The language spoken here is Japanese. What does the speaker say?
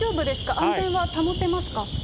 安全は保てますか？